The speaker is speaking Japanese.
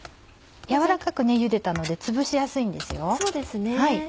軟らかくゆでたのでつぶしやすいんですよ。